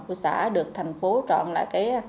của xã được thành phố trọn lại